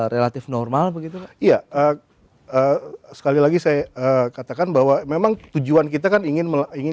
relatif normal begitu iya sekali lagi saya katakan bahwa memang tujuan kita kan ingin